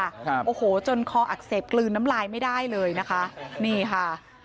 ครับโอ้โหจนคออักเสบกลืนน้ำลายไม่ได้เลยนะคะนี่ค่ะ